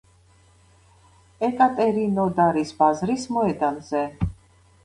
ეკატერინოდარის ბაზრის მოედანზე.